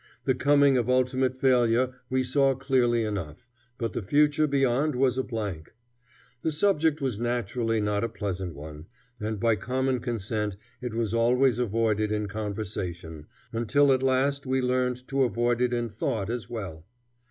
The coming of ultimate failure we saw clearly enough, but the future beyond was a blank. The subject was naturally not a pleasant one, and by common consent it was always avoided in conversation, until at last we learned to avoid it in thought as well.